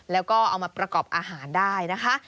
แล้วก็เอามาประกอบอาหารได้นะคะ